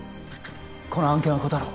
この案件は断ろう